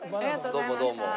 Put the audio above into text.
どうもどうも。